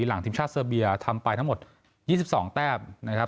หลังทีมชาติเซอร์เบียทำไปทั้งหมด๒๒แต้มนะครับ